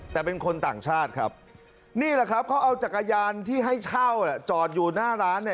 แต่เป็นคนต่างชาติครับนี่แหละครับเขาเอาจักรยานที่ให้เช่าจอดอยู่หน้าร้านเนี่ย